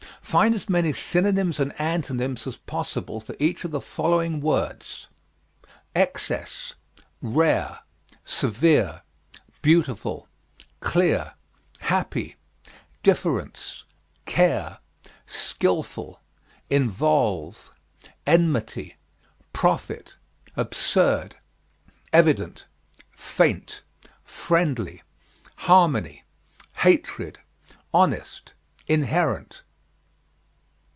Find as many synonyms and antonyms as possible for each of the following words: Excess, Rare, Severe, Beautiful, Clear, Happy, Difference, Care, Skillful, Involve, Enmity, Profit, Absurd, Evident, Faint, Friendly, Harmony, Hatred, Honest, Inherent.